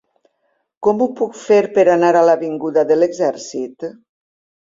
Com ho puc fer per anar a l'avinguda de l'Exèrcit?